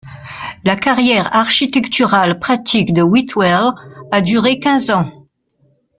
La carrière architecturale pratique de Whitwell a duré quinze ans.